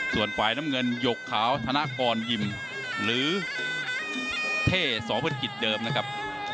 ส่วนฝ่ายน้ำเงินหยกขาวธนกรยิมหรือเท่สวพกิจเดิมนะครับ